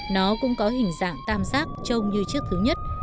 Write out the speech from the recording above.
nó cũng có hình dạng tam giác trông như chiếc thứ nhất